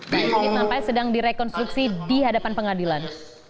dan ini tampilannya sedang direkonstruksi di hadapan pengadilan